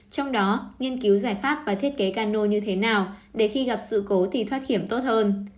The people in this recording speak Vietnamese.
trong đó nghiên cứu giải pháp và thiết kế cano như thế nào để khi gặp sự cố thì thoát hiểm tốt hơn